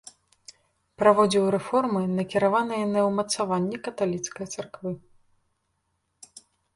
Праводзіў рэформы, накіраваныя на ўмацаванне каталіцкай царквы.